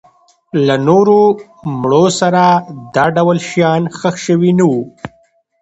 له نورو مړو سره دا ډول شیان ښخ شوي نه وو.